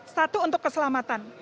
satu untuk keselamatan